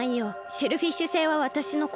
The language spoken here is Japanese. シェルフィッシュ星はわたしのこ